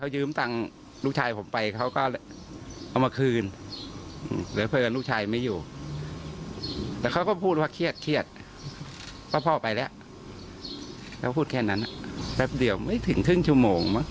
ยิ้มพูดเขาก็ยิ้ม